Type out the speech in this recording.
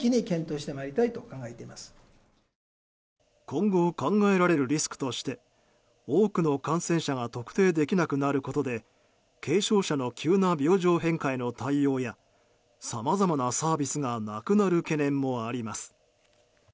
今後考えられるリスクとして多くの感染者が特定できなくなることで軽症者の急な病状変化への対応やさまざまなサービスがなくなる懸念もあります。